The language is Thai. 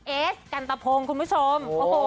เอสกันตะพงคุณผู้ชม